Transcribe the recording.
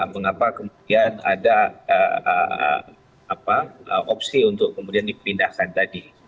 mengapa kemudian ada opsi untuk kemudian dipindahkan tadi